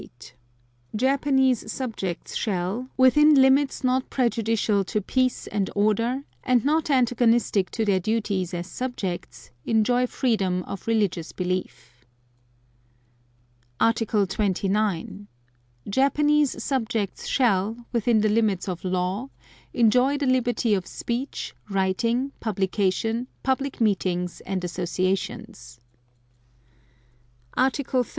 Japanese subjects shall, within limits not prejudicial to peace and order, and not antagonistic to their duties as subjects, enjoy freedom of religious belief. Article 29. Japanese subjects shall, within the limits of law, enjoy the liberty of speech, writing, publication, public meetings and associations. Article 30.